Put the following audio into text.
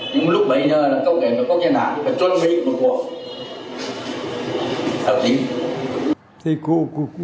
nhưng lúc bấy giờ là cấu kết với quốc dân đảng phải chuẩn bị cuộc đảo chính